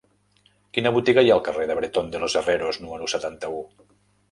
Quina botiga hi ha al carrer de Bretón de los Herreros número setanta-u?